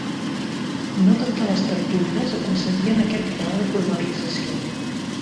No totes les tertúlies aconseguien aquest grau de formalització.